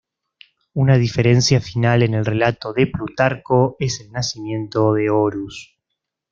Una diferencia final en el relato de Plutarco es el nacimiento de Horus.